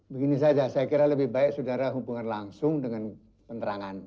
begini saja saya kira lebih baik saudara hubungan langsung dengan penerangan